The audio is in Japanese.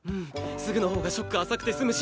すぐのほうがショック浅くて済むし